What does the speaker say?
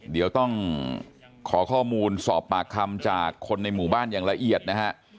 เดี๋ยวต้องขอข้อมูลสอบปากคำจากคนในหมู่บ้านอย่างละเอียดนะฮะ